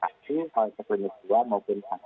jadi karena memang masalah pada anak anak banyak